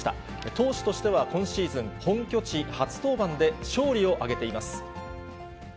投手としては、今シーズン本拠地初登板で勝利を挙げています。